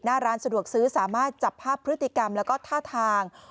หน้าร้านสะดวกซื้อสามารถจับภาพพฤติกรรมแล้วก็ท่าทาง